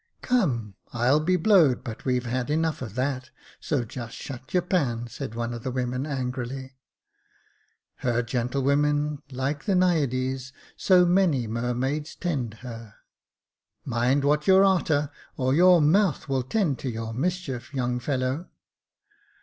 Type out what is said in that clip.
" Come, I'll be blowed but we've had enough of that, so just shut your pan," said one of the women, angrily. " Her gentlewomen, like the Naiades, So many mermaids tend her." " Mind what you're arter, or your mouth will tend to your mischief, young fellow."